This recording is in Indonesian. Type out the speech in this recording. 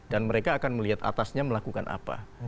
dan mereka akan melihat atasnya melakukan apa